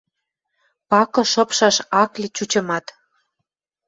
Пакы шыпшаш ак ли чучымат.